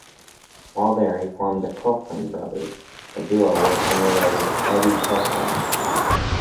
While there he formed The Cochran Brothers, a duo with unrelated Eddie Cochran.